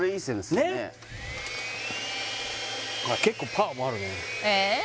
ねっ結構パワーもあるねえっ？